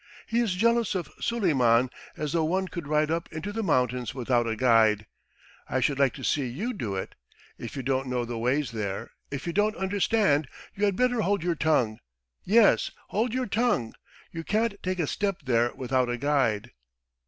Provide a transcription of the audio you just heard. "He is jealous of Suleiman! as though one could ride up into the mountains without a guide! I should like to see you do it! If you don't know the ways there, if you don't understand, you had better hold your tongue! Yes, hold your tongue. You can't take a step there without a guide."